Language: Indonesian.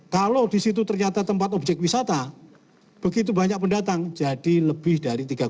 kalau di situ ternyata tempat objek wisata begitu banyak pendatang jadi lebih dari tiga puluh